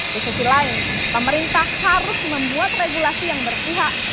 di sisi lain pemerintah harus membuat regulasi yang berpihak